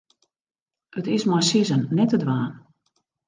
It is mei sizzen net te dwaan.